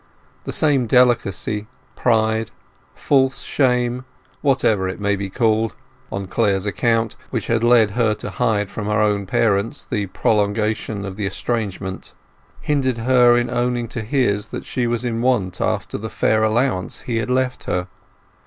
The same delicacy, pride, false shame, whatever it may be called, on Clare's account, which had led her to hide from her own parents the prolongation of the estrangement, hindered her owning to his that she was in want after the fair allowance he had left her.